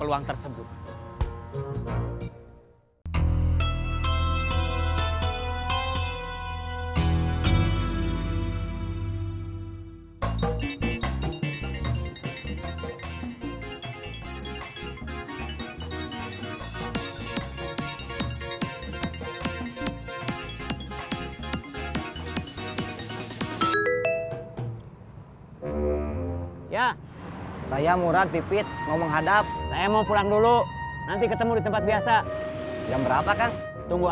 tunggu aja sampe saya dateng